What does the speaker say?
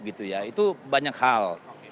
itu banyak hal